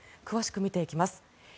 詳しく見ていきます。